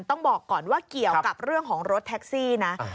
ต้องบอกก่อนว่าเกี่ยวกับเรื่องของรถแท็กซี่นะ